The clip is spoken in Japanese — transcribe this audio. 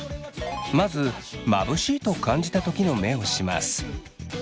まずまぶしいと感じたときの目をします。